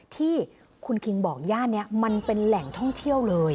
ที่คุณคิงบอกย่านนี้มันเป็นแหล่งท่องเที่ยวเลย